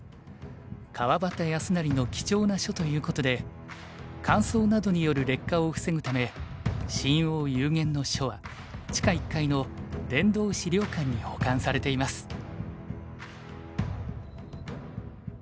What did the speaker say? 川端康成の貴重な書ということで乾燥などによる劣化を防ぐため「深奥幽玄」の書は地下１階の殿堂資料館に保管されています。